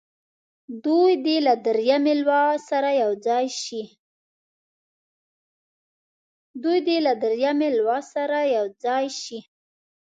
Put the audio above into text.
دوی دې له دریمې لواء سره یو ځای شي.